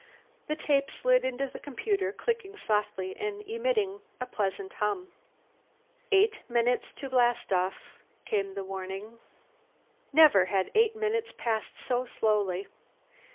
The tape slid into the computer, clicking softly and emitting a pleasant hum. "Eight minutes to blastoff," came the warning. Never had eight minutes passed so slowly.